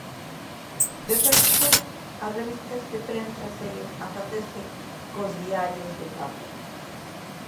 De feito, as revistas de prensa seguen a facerse cos diarios en papel.